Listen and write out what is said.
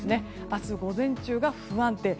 明日午前中が不安定。